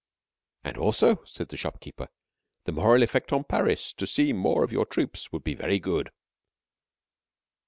"And also," said the shopkeeper, "the moral effect on Paris to see more of your troops would be very good."